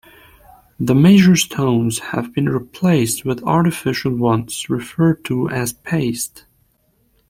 The major stones have been replaced with artificial ones referred to as paste.